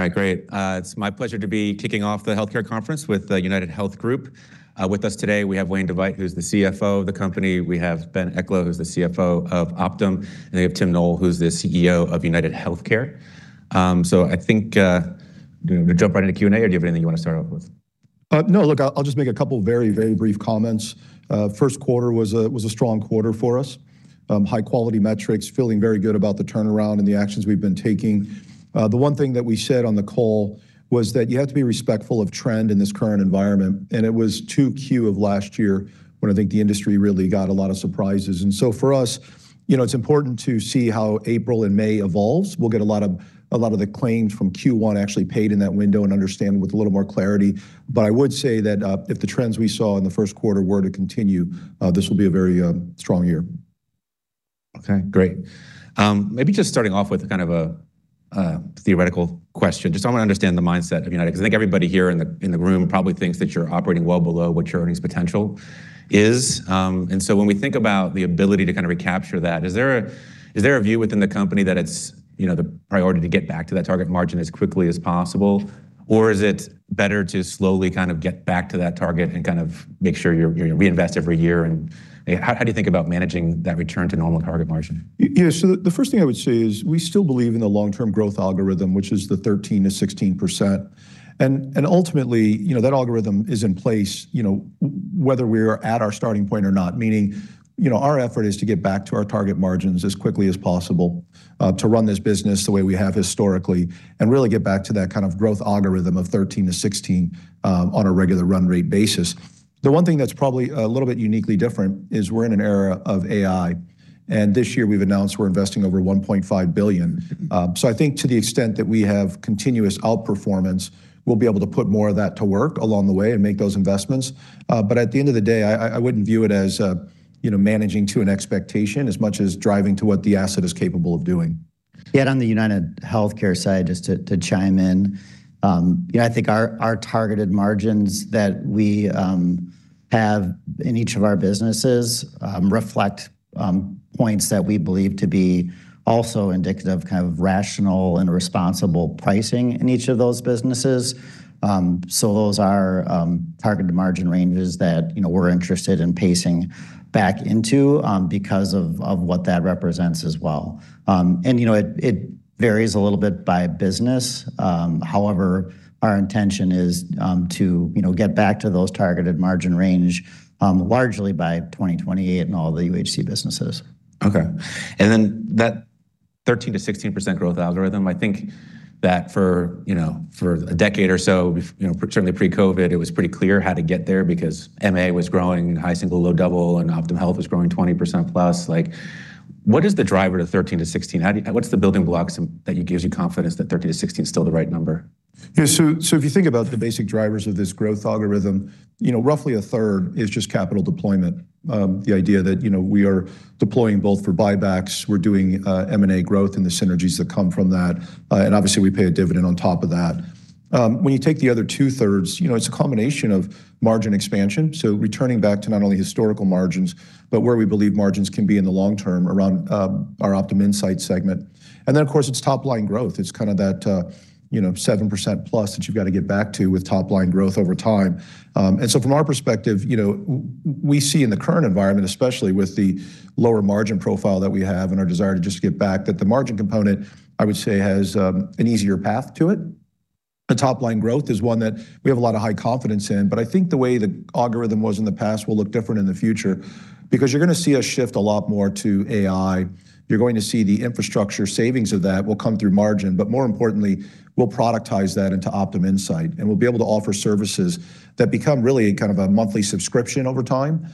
All right, great. It's my pleasure to be kicking off the healthcare conference with UnitedHealth Group. With us today we have Wayne DeVeydt, who's the CFO of the company, we have Ben Eklo, who's the CFO of Optum, and we have Tim Noel, who's the CEO of UnitedHealthcare. I think, do you want me to jump right into Q&A, or do you have anything you want to start off with? No, look, I'll just make a couple of very, very brief comments. First quarter was a strong quarter for us. High quality metrics, feeling very good about the turnaround and the actions we've been taking. The one thing that we said on the call was that you have to be respectful of trend in this current environment, and it was 2Q of last year when I think the industry really got a lot of surprises. For us, you know, it's important to see how April and May evolves. We'll get a lot of the claims from Q1 actually paid in that window and understand with a little more clarity. I would say that, if the trends we saw in the first quarter were to continue, this will be a very strong year. Okay, great. Maybe just starting off with kind of a theoretical question, just so I understand the mindset of United, 'cause I think everybody here in the, in the room probably thinks that you're operating well below what your earnings potential is. When we think about the ability to kind of recapture that, is there a, is there a view within the company that it's, you know, the priority to get back to that target margin as quickly as possible? Or is it better to slowly kind of get back to that target and kind of make sure you're, you reinvest every year? And how do you think about managing that return to normal target margin? The first thing I would say is we still believe in the long-term growth algorithm, which is 13%-16%. Ultimately, you know, that algorithm is in place, you know, whether we're at our starting point or not. Meaning, you know, our effort is to get back to our target margins as quickly as possible to run this business the way we have historically, and really get back to that kind of growth algorithm of 13%-16% on a regular run rate basis. The one thing that's probably a little bit uniquely different is we're in an era of AI. This year we've announced we're investing over $1.5 billion. I think to the extent that we have continuous outperformance, we'll be able to put more of that to work along the way and make those investments. At the end of the day, I wouldn't view it as, you know, managing to an expectation as much as driving to what the asset is capable of doing. Yeah, on the UnitedHealthcare side, just to chime in, you know, I think our targeted margins that we have in each of our businesses, reflect points that we believe to be also indicative, kind of rational and responsible pricing in each of those businesses. So those are targeted margin ranges that, you know, we're interested in pacing back into, because of what that represents as well. And you know, it varies a little bit by business. However, our intention is to, you know, get back to those targeted margin range, largely by 2028 in all the UnitedHealthcare businesses. Okay. That 13%-16% growth algorithm, I think that for, you know, for a decade or so you know, certainly pre-COVID, it was pretty clear how to get there because MA was growing high single, low double, and Optum Health was growing 20%+. What is the driver to 13%-16%? What's the building blocks that gives you confidence that 13%-16% is still the right number? So if you think about the basic drivers of this growth algorithm, you know, roughly a third is just capital deployment. The idea that, you know, we are deploying both for buybacks, we're doing M&A growth and the synergies that come from that, and obviously we pay a dividend on top of that. When you take the other two-thirds, you know, it's a combination of margin expansion, so returning back to not only historical margins, but where we believe margins can be in the long term around our Optum Insight segment. Of course it's top line growth. It's kind of that, you know, 7%+ that you've got to get back to with top line growth over time. From our perspective, you know, we see in the current environment, especially with the lower margin profile that we have and our desire to just get back, that the margin component, I would say, has an easier path to it. The top line growth is one that we have a lot of high confidence in. I think the way the algorithm was in the past will look different in the future because you're gonna see us shift a lot more to AI. You're going to see the infrastructure savings of that will come through margin. More importantly, we'll productize that into Optum Insight, and we'll be able to offer services that become really kind of a monthly subscription over time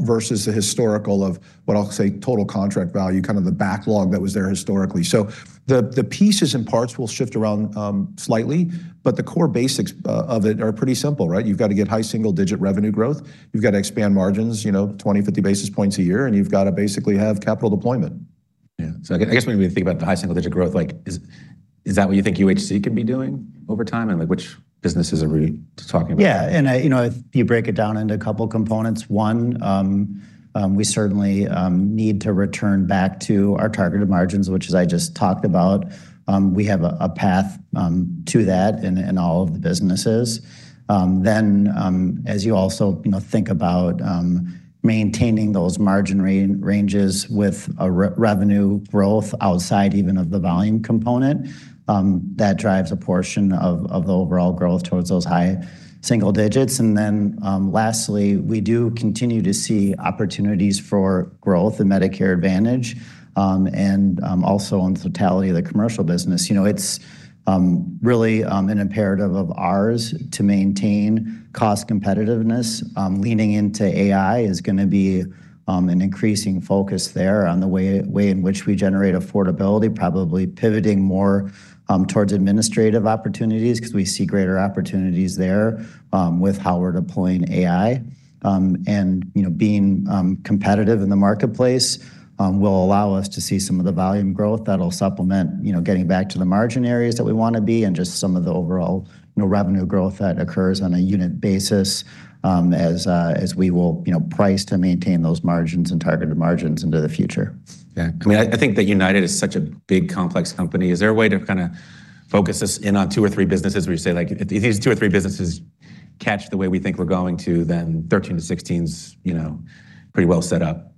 versus the historical of, what I'll say, total contract value, kind of the backlog that was there historically. The pieces and parts will shift around slightly, but the core basics of it are pretty simple, right. You've got to get high single-digit revenue growth. You've got to expand margins, you know, 20-50 basis points a year, and you've got to basically have capital deployment. Yeah. I guess when we think about the high single digit growth, like, is that what you think UnitedHealthcare could be doing over time? Like, which businesses are we talking about? Yeah. I, you know, if you break it down into a couple components, one, we certainly need to return back to our targeted margins, which as I just talked about, we have a path to that in all of the businesses. As you also, you know, think about maintaining those margin ranges with a revenue growth outside even of the volume component, that drives a portion of the overall growth towards those high single digits. Lastly, we do continue to see opportunities for growth in Medicare Advantage, and also on the totality of the commercial business. You know, it's really an imperative of ours to maintain cost competitiveness. Leaning into AI is gonna be an increasing focus there on the way in which we generate affordability, probably pivoting more towards administrative opportunities, because we see greater opportunities there with how we're deploying AI. And, you know, being competitive in the marketplace will allow us to see some of the volume growth that'll supplement, you know, getting back to the margin areas that we wanna be and just some of the overall, you know, revenue growth that occurs on a unit basis as we will, you know, price to maintain those margins and targeted margins into the future. I mean, I think that United is such a big, complex company. Is there a way to kind of focus us in on two or three businesses where you say, like, if these two or three businesses catch the way we think we're going to, then 13%-16's%, you know, pretty well set up?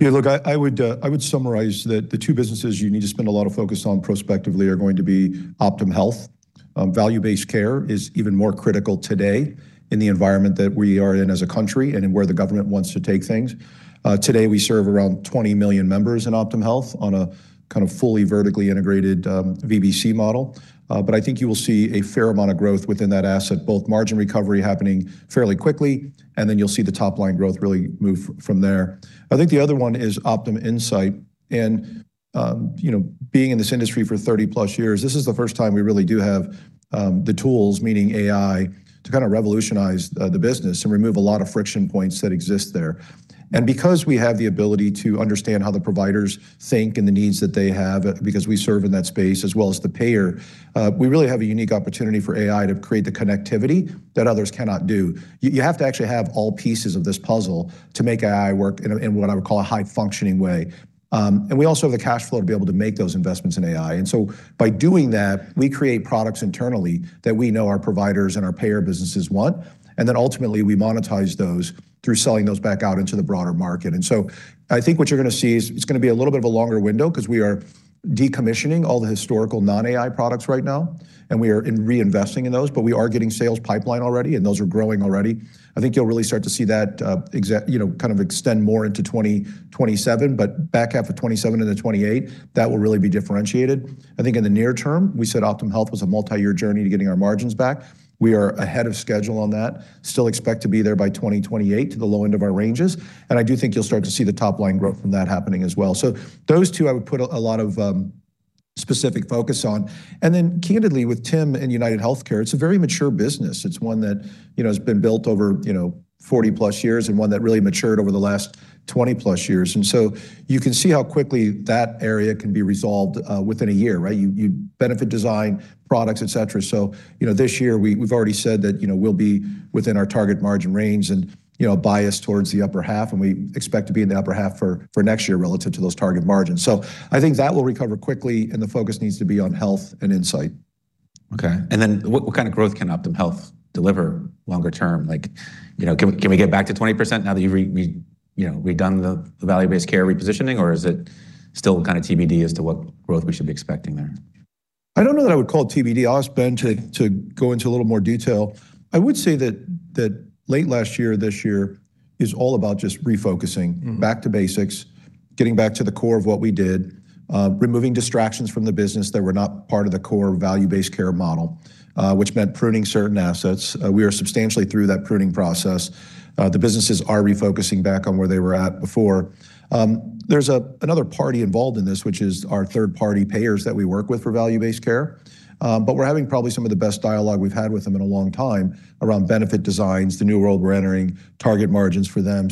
Look, I would summarize that the two businesses you need to spend a lot of focus on prospectively are going to be Optum Health. Value-based care is even more critical today in the environment that we are in as a country and in where the government wants to take things. Today we serve around 20 million members in Optum Health on a kind of fully vertically integrated VBC model. I think you will see a fair amount of growth within that asset, both margin recovery happening fairly quickly, and then you'll see the top-line growth really move from there. I think the other one is Optum Insight, you know, being in this industry for 30+ years, this is the first time we really do have the tools, meaning AI, to kinda revolutionize the business and remove a lot of friction points that exist there. Because we have the ability to understand how the providers think and the needs that they have, because we serve in that space as well as the payer, we really have a unique opportunity for AI to create the connectivity that others cannot do. You have to actually have all pieces of this puzzle to make AI work in a, in what I would call a high functioning way. We also have the cash flow to be able to make those investments in AI. By doing that, we create products internally that we know our providers and our payer businesses want, and then ultimately we monetize those through selling those back out into the broader market. I think what you're gonna see is it's gonna be a little bit of a longer window 'cause we are decommissioning all the historical non-AI products right now, and we are reinvesting in those, but we are getting sales pipeline already, and those are growing already. I think you'll really start to see that, you know, kind of extend more into 2027, but back half of 2027 into 2028, that will really be differentiated. I think in the near term, we said Optum Health was a multiyear journey to getting our margins back. We are ahead of schedule on that, still expect to be there by 2028 to the low end of our ranges. I do think you'll start to see the top-line growth from that happening as well. Those two I would put a lot of specific focus on. Candidly, with Tim and UnitedHealthcare, it's a very mature business. It's one that, you know, has been built over, you know, 40+ years and one that really matured over the last 20+ years. You can see how quickly that area can be resolved within a year, right? You benefit design products, etc. You know, this year we've already said that, you know, we'll be within our target margin range and, you know, biased towards the upper half, and we expect to be in the upper half for next year relative to those target margins. I think that will recover quickly, and the focus needs to be on health and insight. Okay. Then what kind of growth can Optum Health deliver longer term? Like, you know, can we get back to 20% now that you've you know, redone the value-based care repositioning, or is it still kind of TBD as to what growth we should be expecting there? I don't know that I would call it TBD. I'll ask Ben to go into a little more detail. I would say that late last year, this year is all about just refocusing. Back to basics, getting back to the core of what we did, removing distractions from the business that were not part of the core value-based care model, which meant pruning certain assets. We are substantially through that pruning process. The businesses are refocusing back on where they were at before. There's another party involved in this, which is our third-party payers that we work with for value-based care. We're having probably some of the best dialogue we've had with them in a long time around benefit designs, the new world we're entering, target margins for them.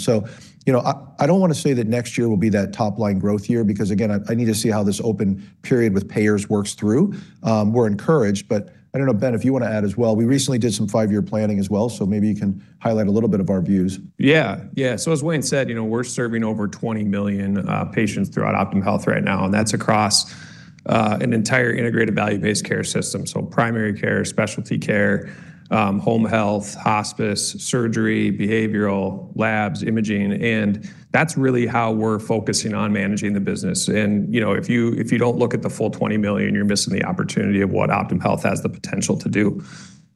You know, I don't wanna say that next year will be that top-line growth year because, again, I need to see how this open period with payers works through. We're encouraged, I don't know, Ben, if you wanna add as well. We recently did some five-year planning as well, so maybe you can highlight a little bit of our views. Yeah. Yeah. As Wayne said, you know, we're serving over 20 million patients throughout Optum Health right now, and that's across an entire integrated value-based care system. Primary care, specialty care, home health, hospice, surgery, behavioral, labs, imaging, and that's really how we're focusing on managing the business. You know, if you don't look at the full 20 million, you're missing the opportunity of what Optum Health has the potential to do.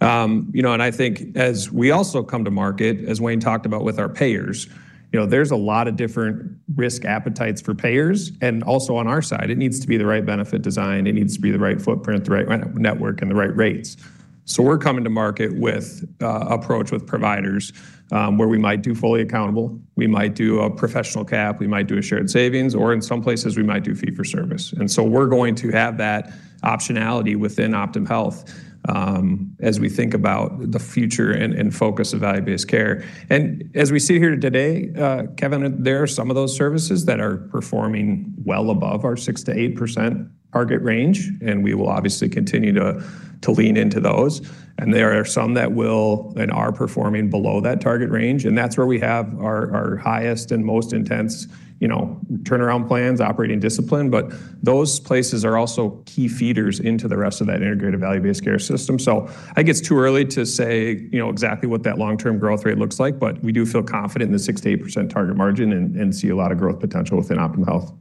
You know, I think as we also come to market, as Wayne talked about with our payers, you know, there's a lot of different risk appetites for payers. Also on our side, it needs to be the right benefit design, it needs to be the right footprint, the right network, and the right rates. We're coming to market with approach with providers, where we might do fully accountable, we might do a professional cap, we might do a shared savings, or in some places we might do fee-for-service. We're going to have that optionality within Optum Health, as we think about the future and focus of value-based care. As we sit here today, Kevin, there are some of those services that are performing well above our 6%-8% target range, and we will obviously continue to lean into those. There are some that will and are performing below that target range, and that's where we have our highest and most intense, you know, turnaround plans, operating discipline. Those places are also key feeders into the rest of that integrated value-based care system. I think it's too early to say, you know, exactly what that long-term growth rate looks like, but we do feel confident in the 6%-8% target margin and see a lot of growth potential within Optum Health.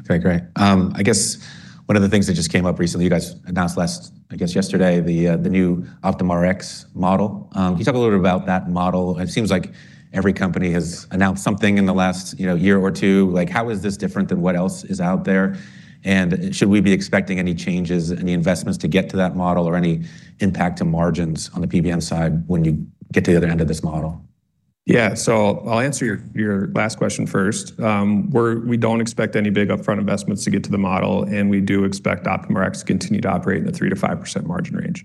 Okay, great. I guess one of the things that just came up recently, you guys announced last, I guess yesterday, the new Optum Rx model. Can you talk a little bit about that model? It seems like every company has announced something in the last, you know, year or two. Like, how is this different than what else is out there? Should we be expecting any changes, any investments to get to that model or any impact to margins on the PBM side when you get to the other end of this model? Yeah. I'll answer your last question first. We don't expect any big upfront investments to get to the model, and we do expect Optum Rx to continue to operate in the 3%-5% margin range.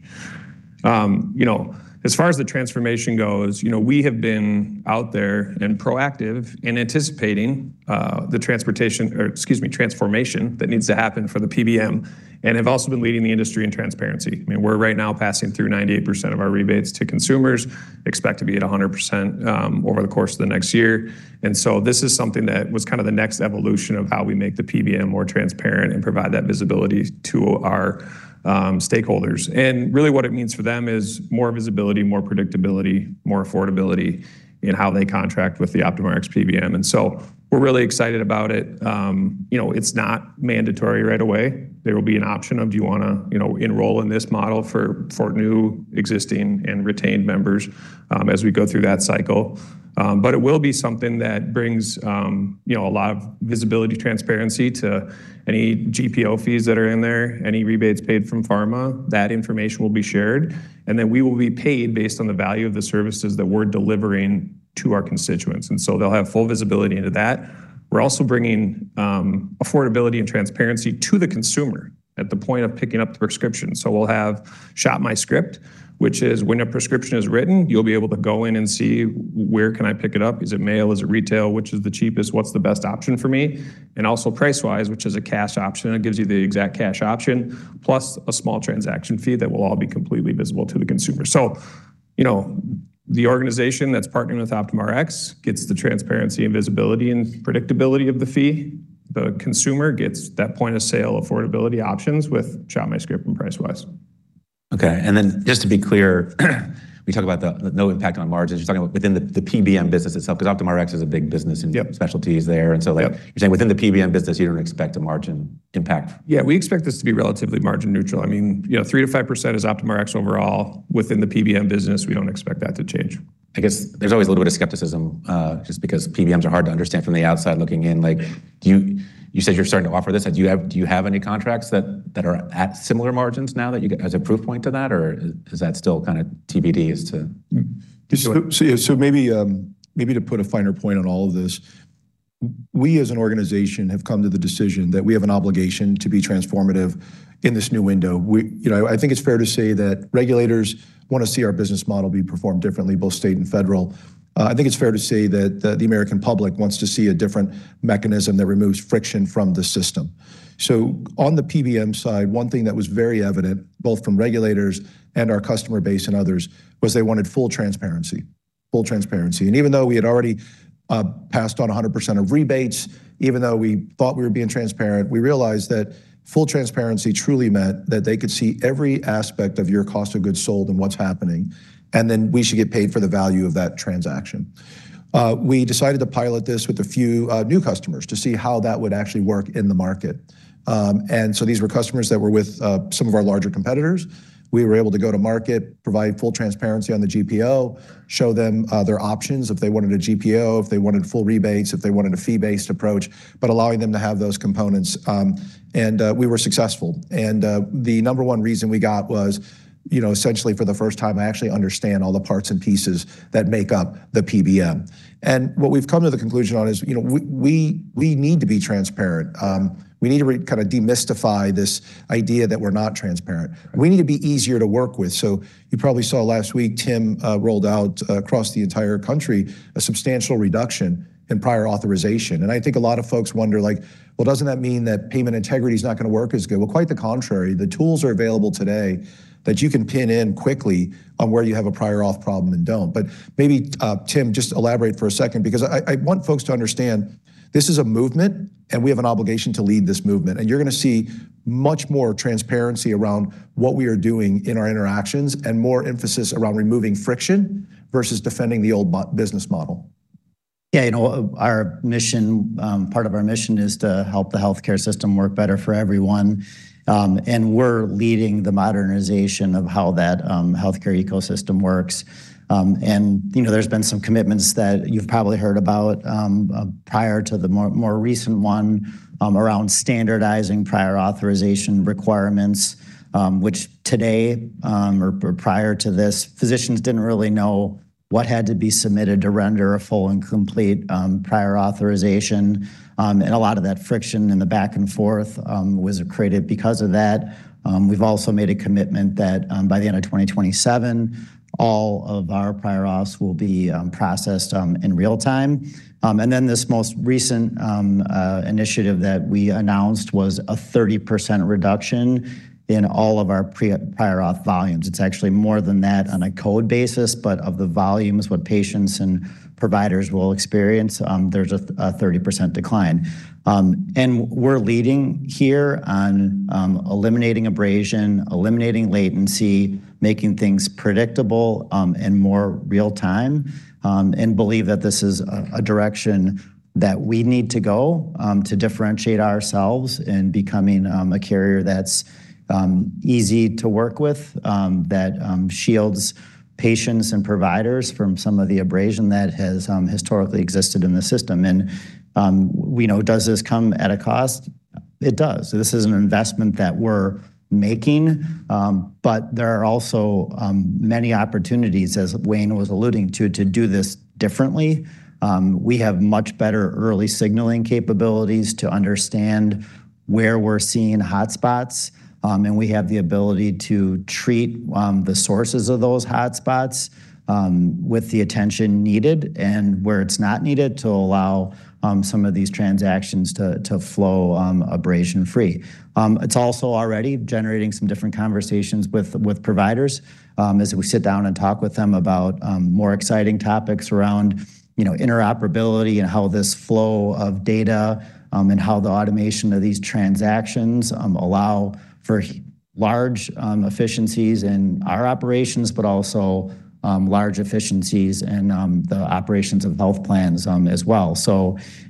You know, as far as the transformation goes, you know, we have been out there and proactive in anticipating the transportation or, excuse me, transformation that needs to happen for the PBM and have also been leading the industry in transparency. I mean, we're right now passing through 98% of our rebates to consumers, expect to be at 100% over the course of the next year. This is something that was kinda the next evolution of how we make the PBM more transparent and provide that visibility to our stakeholders. Really what it means for them is more visibility, more predictability, more affordability in how they contract with the Optum Rx PBM. We're really excited about it. You know, it's not mandatory right away. There will be an option of do you want to, you know, enroll in this model for new, existing, and retained members as we go through that cycle. But it will be something that brings, you know, a lot of visibility, transparency to any GPO fees that are in there, any rebates paid from pharma. That information will be shared. Then we will be paid based on the value of the services that we're delivering to our constituents. They'll have full visibility into that. We're also bringing affordability and transparency to the consumer at the point of picking up the prescription. We'll have Shop MyScript, which is when a prescription is written, you'll be able to go in and see where can I pick it up. Is it mail? Is it retail? Which is the cheapest? What's the best option for me? Also Price Wise, which is a cash option. It gives you the exact cash option plus a small transaction fee that will all be completely visible to the consumer. You know, the organization that's partnering with Optum Rx gets the transparency and visibility and predictability of the fee. The consumer gets that point of sale affordability options with Shop MyScript and Price Wise. Okay. Just to be clear, we talk about the no impact on margins. You're talking about within the PBM business itself, 'cause Optum Rx is a big business- Yep. ...and specialties there. Yep. You're saying within the PBM business, you don't expect a margin impact. Yeah, we expect this to be relatively margin neutral. I mean, you know, 3%-5% is Optum Rx overall. Within the PBM business, we don't expect that to change. I guess there's always a little bit of skepticism, just because PBMs are hard to understand from the outside looking in. Like you said you're starting to offer this. Do you have any contracts that are at similar margins now that you as a proof point to that? Or is that still kinda TBD? Maybe, to put a finer point on all of this, we as an organization have come to the decision that we have an obligation to be transformative in this new window. You know, I think it's fair to say that regulators wanna see our business model be performed differently, both state and federal. I think it's fair to say that the American public wants to see a different mechanism that removes friction from the system. On the PBM side, one thing that was very evident, both from regulators and our customer base and others, was they wanted full transparency, full transparency. Even though we had already passed on a 100% of rebates, even though we thought we were being transparent, we realized that full transparency truly meant that they could see every aspect of your cost of goods sold and what's happening, and then we should get paid for the value of that transaction. We decided to pilot this with a few new customers to see how that would actually work in the market. These were customers that were with some of our larger competitors. We were able to go to market, provide full transparency on the GPO, show them their options if they wanted a GPO, if they wanted full rebates, if they wanted a fee-based approach, but allowing them to have those components. We were successful. The number one reason we got was, you know, essentially for the first time, I actually understand all the parts and pieces that make up the PBM. What we've come to the conclusion on is, you know, we need to be transparent. We need to kinda demystify this idea that we're not transparent. We need to be easier to work with. You probably saw last week, Tim Noel, rolled out across the entire country a substantial reduction in prior authorization. I think a lot of folks wonder, like, "Well, doesn't that mean that payment integrity is not gonna work as good?" Well, quite the contrary. The tools are available today that you can pin in quickly on where you have a prior auth problem and don't. Maybe, Tim, just elaborate for a second because I want folks to understand this is a movement, and we have an obligation to lead this movement, and you're gonna see much more transparency around what we are doing in our interactions and more emphasis around removing friction versus defending the old business model. Yeah, you know, our mission, part of our mission is to help the healthcare system work better for everyone. We're leading the modernization of how that healthcare ecosystem works. You know, there's been some commitments that you've probably heard about prior to the more, more recent one around standardizing prior authorization requirements, which today, or, prior to this, physicians didn't really know what had to be submitted to render a full and complete prior authorization. A lot of that friction and the back and forth was created because of that. We've also made a commitment that by the end of 2027, all of our prior auths will be processed in real time. Then this most recent initiative that we announced was a 30% reduction in all of our prior auth volumes. It's actually more than that on a code basis, but of the volumes, what patients and providers will experience, there's a 30% decline. We're leading here on eliminating abrasion, eliminating latency, making things predictable, and more real time, and believe that this is a direction that we need to go to differentiate ourselves in becoming a carrier that's easy to work with, that shields patients and providers from some of the abrasion that has historically existed in the system. We know, does this come at a cost? It does. This is an investment that we're making. There are also many opportunities, as Wayne was alluding to do this differently. We have much better early signaling capabilities to understand where we're seeing hotspots, and we have the ability to treat the sources of those hotspots with the attention needed and where it's not needed to allow some of these transactions to flow abrasion-free. It's also already generating some different conversations with providers as we sit down and talk with them about more exciting topics around, you know, interoperability and how this flow of data and how the automation of these transactions allow for large efficiencies in our operations, but also large efficiencies in the operations of health plans as well.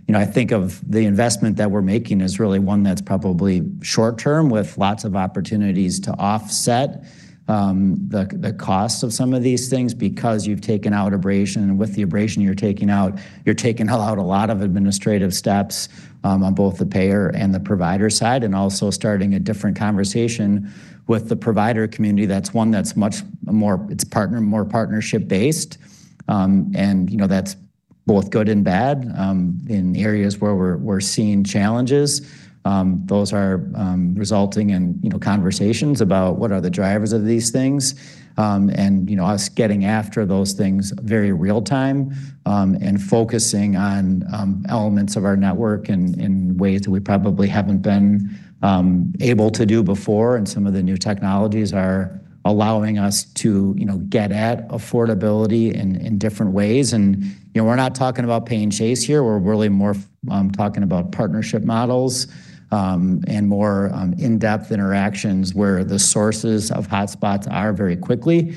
You know, I think of the investment that we're making as really one that's probably short-term with lots of opportunities to offset the costs of some of these things because you've taken out abrasion, and with the abrasion you're taking out a lot of administrative steps on both the payer and the provider side, and also starting a different conversation with the provider community. That's one that's more partnership based, and, you know, that's both good and bad. In areas where we're seeing challenges, those are resulting in, you know, conversations about what are the drivers of these things, and you know, us getting after those things very real time, and focusing on elements of our network in ways that we probably haven't been able to do before. Some of the new technologies are allowing us to, you know, get at affordability in different ways. You know, we're not talking about pay and chase here. We're really more talking about partnership models and more in-depth interactions where the sources of hotspots are very quickly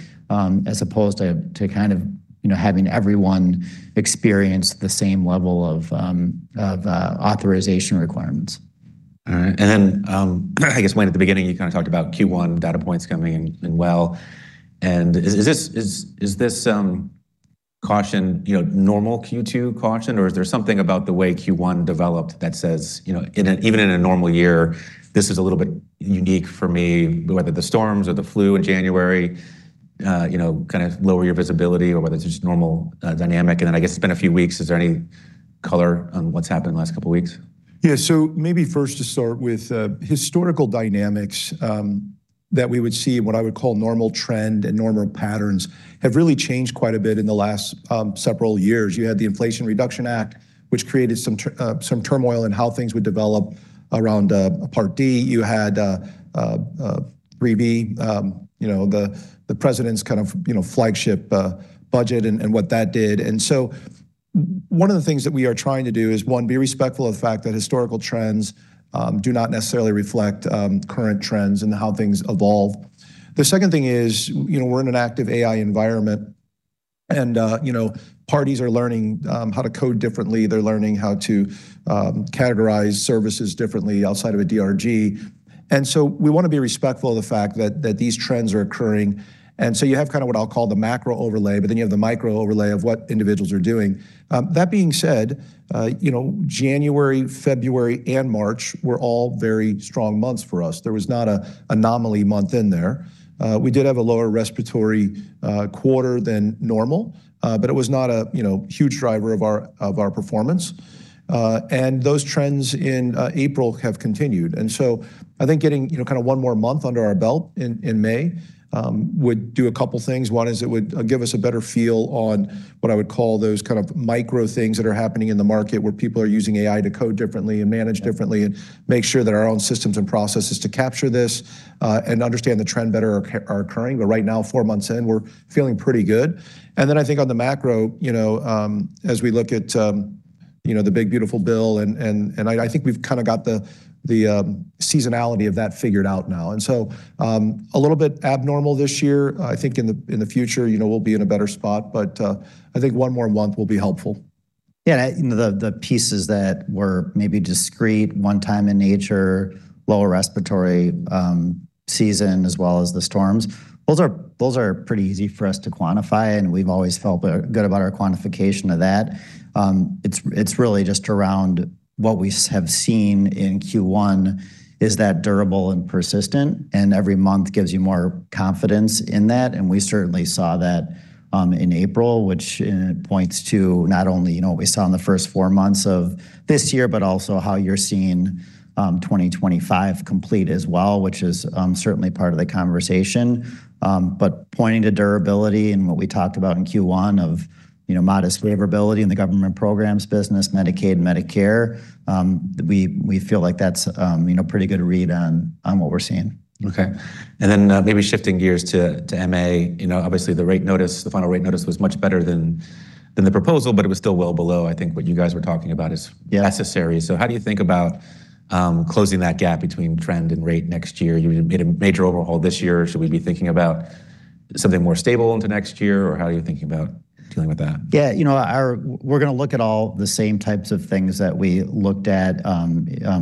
as opposed to kind of, you know, having everyone experience the same level of authorization requirements. All right. Then, I guess, Wayne, at the beginning, you kinda talked about Q1 data points coming in well, is this caution, you know, normal Q2 caution, or is there something about the way Q1 developed that says, you know, in a, even in a normal year, this is a little bit unique for me, whether the storms or the flu in January, you know, kind of lower your visibility or whether it's just normal dynamic? Then I guess it's been a few weeks. Is there any color on what's happened in the last couple weeks? Maybe first to start with, historical dynamics, that we would see what I would call normal trend and normal patterns have really changed quite a bit in the last several years. You had the Inflation Reduction Act, which created some turmoil in how things would develop around Part D. You had BBB, you know, the president's kind of, you know, flagship budget and what that did. One of the things that we are trying to do is, one, be respectful of the fact that historical trends do not necessarily reflect current trends and how things evolve. The second thing is, you know, we're in an active AI environment and, you know, parties are learning how to code differently. They're learning how to categorize services differently outside of a DRG. We wanna be respectful of the fact that these trends are occurring. You have kinda what I'll call the macro overlay, but then you have the micro overlay of what individuals are doing. That being said, you know, January, February, and March were all very strong months for us. There was not a anomaly month in there. We did have a lower respiratory quarter than normal, but it was not a, you know, huge driver of our performance. Those trends in April have continued. I think getting, you know, kinda one more month under our belt in May would do a couple things. One is it would give us a better feel on what I would call those kind of micro things that are happening in the market, where people are using AI to code differently and manage differently and make sure that our own systems and processes to capture this and understand the trend better are occurring. Right now, four months in, we're feeling pretty good. Then I think on the macro, you know, as we look at, you know, the One Big Beautiful Bill Act, and I think we've kinda got the seasonality of that figured out now. A little bit abnormal this year. I think in the future, you know, we'll be in a better spot, but I think 1 more month will be helpful. Yeah, you know, the pieces that were maybe discreet, one time in nature, lower respiratory season, as well as the storms, those are, those are pretty easy for us to quantify, and we've always felt good about our quantification of that. It's, it's really just around what we have seen in Q1 is that durable and persistent, and every month gives you more confidence in that, and we certainly saw that, in April, which points to not only, you know, what we saw in the first four months of this year, but also how you're seeing, 2025 complete as well, which is certainly part of the conversation. Pointing to durability and what we talked about in Q1 of, you know, modest favorability in the government programs business, Medicaid, Medicare, we feel like that's, you know, pretty good read on what we're seeing. Okay. Then, maybe shifting gears to MA, you know, obviously the rate notice, the final rate notice was much better than the proposal, but it was still well below, I think, what you guys were talking about is- Yeah. ...necessary. How do you think about closing that gap between trend and rate next year? You made a major overhaul this year. Should we be thinking about something more stable into next year, or how are you thinking about dealing with that? You know, we're going to look at all the same types of things that we looked at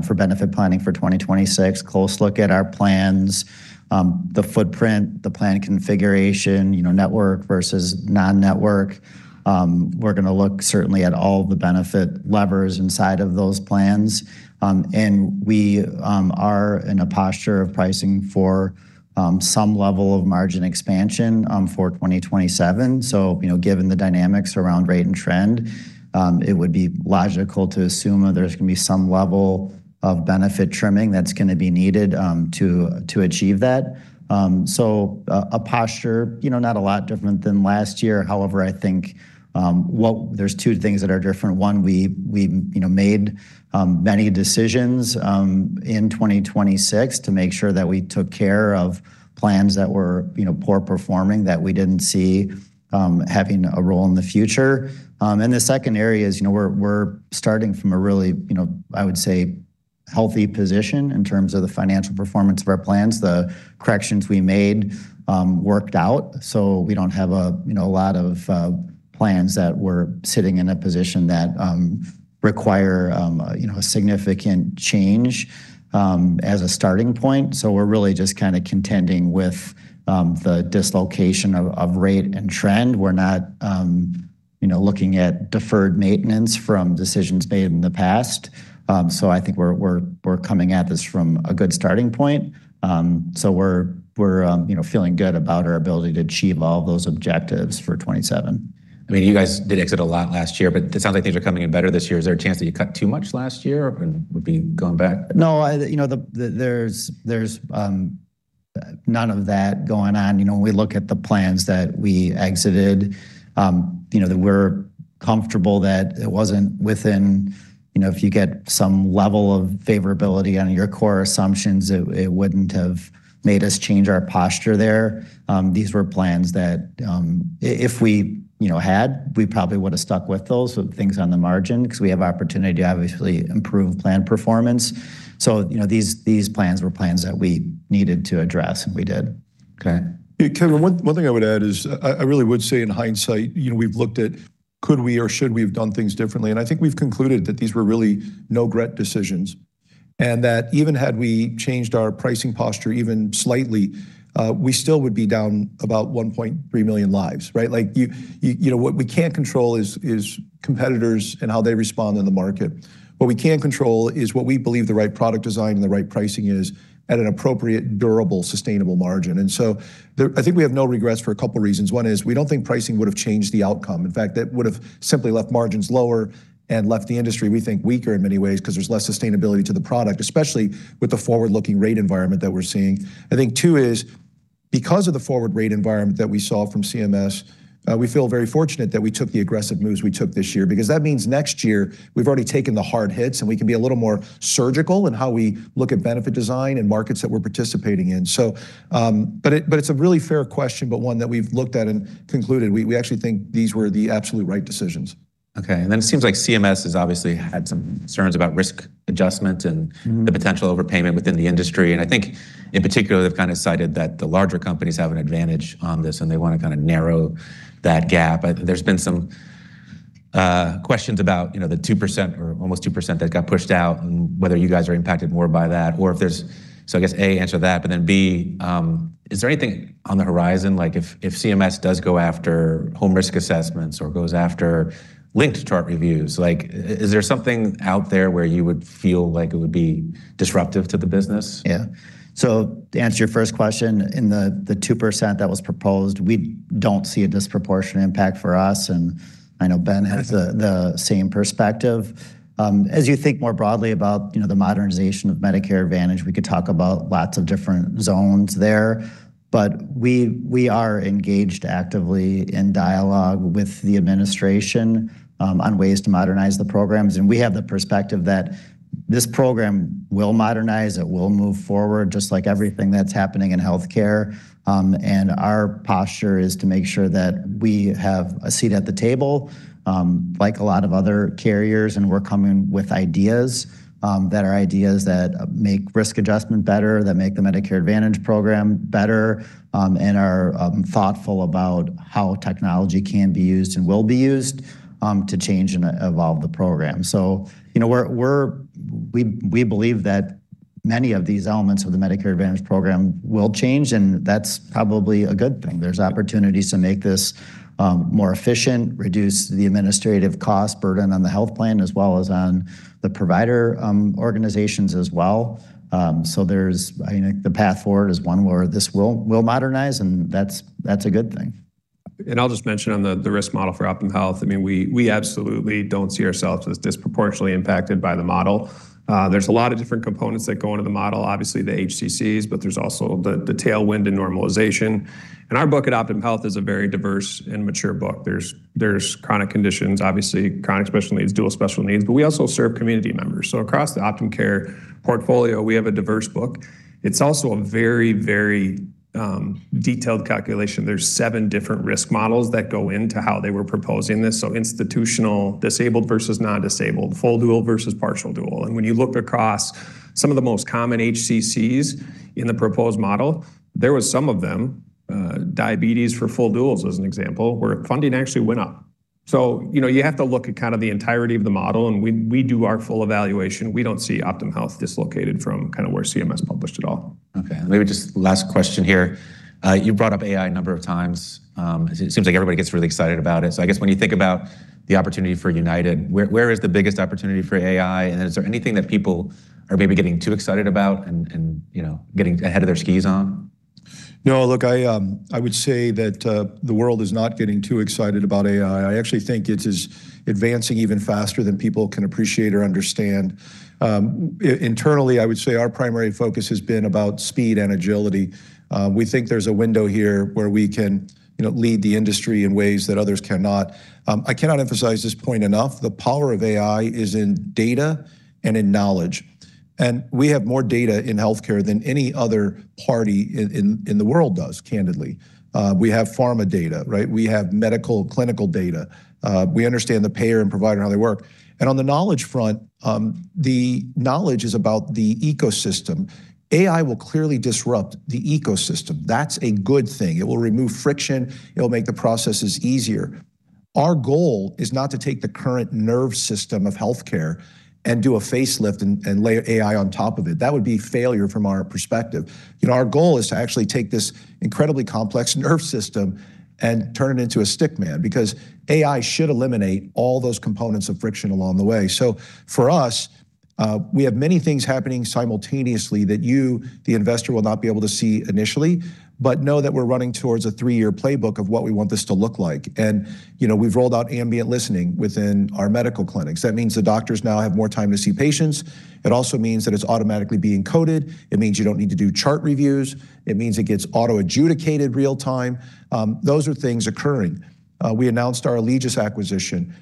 for benefit planning for 2026. Close look at our plans, the footprint, the plan configuration, you know, network versus non-network. We're going to look certainly at all the benefit levers inside of those plans. We are in a posture of pricing for some level of margin expansion for 2027. You know, given the dynamics around rate and trend, it would be logical to assume there's going to be some level of benefit trimming that's going to be needed to achieve that. A posture, you know, not a lot different than last year. However, I think there's two things that are different. One, we, you know, made many decisions in 2026 to make sure that we took care of plans that were, you know, poor performing, that we didn't see having a role in the future. The second area is, you know, we're starting from a really, you know, I would say healthy position in terms of the financial performance of our plans. The corrections we made worked out. We don't have a, you know, a lot of plans that were sitting in a position that require, you know, a significant change as a starting point. We're really just kinda contending with the dislocation of rate and trend. We're not, you know, looking at deferred maintenance from decisions made in the past. I think we're coming at this from a good starting point. We're, you know, feeling good about our ability to achieve all of those objectives for 2027. I mean, you guys did exit a lot last year, but it sounds like things are coming in better this year. Is there a chance that you cut too much last year and would be going back? No, I, you know, there's none of that going on. You know, when we look at the plans that we exited, you know, that we're comfortable that it wasn't within, you know, if you get some level of favorability on your core assumptions, it wouldn't have made us change our posture there. These were plans that, if we, you know, had, we probably would've stuck with those. Things on the margin, because we have opportunity to obviously improve plan performance. You know, these plans were plans that we needed to address, and we did. Okay. Kevin, one thing I would add is I really would say in hindsight, you know, we've looked at could we or should we have done things differently, and I think we've concluded that these were really no regret decisions, and that even had we changed our pricing posture even slightly, we still would be down about 1.3 million lives, right? Like you know, what we can't control is competitors and how they respond in the market. What we can control is what we believe the right product design and the right pricing is at an appropriate, durable, sustainable margin. I think we have no regrets for a couple reasons. One is we don't think pricing would've changed the outcome. That would've simply left margins lower and left the industry, we think, weaker in many ways because there's less sustainability to the product, especially with the forward-looking rate environment that we're seeing. Two is because of the forward rate environment that we saw from CMS, we feel very fortunate that we took the aggressive moves we took this year because that means next year we've already taken the hard hits, and we can be a little more surgical in how we look at benefit design and markets that we're participating in. It's a really fair question, but one that we've looked at and concluded. We actually think these were the absolute right decisions. Okay. Then it seems like CMS has obviously had some concerns about risk adjustment and the potential overpayment within the industry. I think in particular, they've kind of cited that the larger companies have an advantage on this, and they want to kind of narrow that gap. There's been some questions about, you know, the 2% or almost 2% that got pushed out, and whether you guys are impacted more by that or if there's I guess, A, answer that, B, is there anything on the horizon, if CMS does go after home risk assessments or goes after linked chart reviews? Is there something out there where you would feel like it would be disruptive to the business? Yeah. To answer your first question, in the 2% that was proposed, we don't see a disproportionate impact for us, and I know Ben has the same perspective. As you think more broadly about, you know, the modernization of Medicare Advantage, we could talk about lots of different zones there. We are engaged actively in dialogue with the administration on ways to modernize the programs, and we have the perspective that this program will modernize, it will move forward, just like everything that's happening in healthcare. Our posture is to make sure that we have a seat at the table, like a lot of other carriers, and we're coming with ideas that are ideas that make risk adjustment better, that make the Medicare Advantage program better, and are thoughtful about how technology can be used and will be used to change and evolve the program. You know, we believe that many of these elements of the Medicare Advantage program will change, and that's probably a good thing. There's opportunities to make this more efficient, reduce the administrative cost burden on the health plan, as well as on the provider organizations as well. There's, I think the path forward is one where this will modernize, and that's a good thing. I'll just mention on the risk model for Optum Health, I mean, we absolutely don't see ourselves as disproportionately impacted by the model. There's a lot of different components that go into the model, obviously the HCCs, but there's also the tailwind and normalization. Our book at Optum Health is a very diverse and mature book. There's chronic conditions, obviously Chronic Special Needs, Dual Special Needs, but we also serve community members. Across the Optum Care portfolio, we have a diverse book. It's also a very detailed calculation. There's seven different risk models that go into how they were proposing this. Institutional disabled versus non-disabled, full dual versus partial dual. When you looked across some of the most common HCCs in the proposed model, there was some of them, diabetes for full duals as an example, where funding actually went up. You know, you have to look at kind of the entirety of the model, and we do our full evaluation. We don't see Optum Health dislocated from kind of where CMS published at all. Okay. Maybe just last question here. You brought up AI a number of times. It seems like everybody gets really excited about it. I guess when you think about the opportunity for United, where is the biggest opportunity for AI? Is there anything that people are maybe getting too excited about, you know, getting ahead of their skis on? No. Look, I would say that the world is not getting too excited about AI. I actually think it is advancing even faster than people can appreciate or understand. Internally, I would say our primary focus has been about speed and agility. We think there's a window here where we can, you know, lead the industry in ways that others cannot. I cannot emphasize this point enough. The power of AI is in data and in knowledge. We have more data in healthcare than any other party in the world does, candidly. We have pharma data, right? We have medical clinical data. We understand the payer and provider and how they work. On the knowledge front, the knowledge is about the ecosystem. AI will clearly disrupt the ecosystem. That's a good thing. It will remove friction. It'll make the processes easier. Our goal is not to take the current nerve system of healthcare and do a facelift and lay AI on top of it. That would be failure from our perspective. You know, our goal is to actually take this incredibly complex nerve system and turn it into a stick man, because AI should eliminate all those components of friction along the way. For us, we have many things happening simultaneously that you, the investor, will not be able to see initially, but know that we're running towards a three-year playbook of what we want this to look like. You know, we've rolled out ambient listening within our medical clinics. That means the doctors now have more time to see patients. It also means that it's automatically being coded. It means you don't need to do chart reviews. It means it gets auto-adjudicated real time. Those are things occurring. We announced our Amedisys acquisition.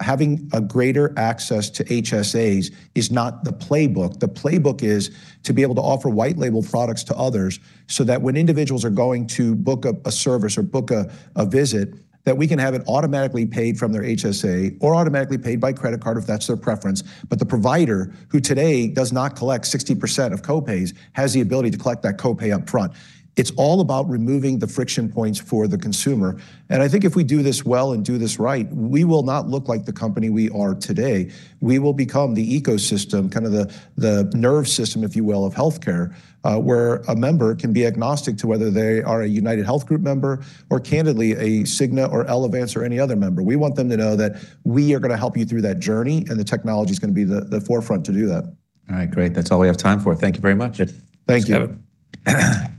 Having a greater access to HSAs is not the playbook. The playbook is to be able to offer white label products to others so that when individuals are going to book a service or book a visit, that we can have it automatically paid from their HSA or automatically paid by credit card if that's their preference. The provider, who today does not collect 60% of co-pays, has the ability to collect that co-pay upfront. It's all about removing the friction points for the consumer, and I think if we do this well and do this right, we will not look like the company we are today. We will become the ecosystem, kind of the nerve system, if you will, of healthcare, where a member can be agnostic to whether they are a UnitedHealth Group member or candidly a Cigna or Elevance or any other member. We want them to know that we are gonna help you through that journey, and the technology's gonna be the forefront to do that. All right, great. That's all we have time for. Thank you very much. Thank you. Thanks, Kevin.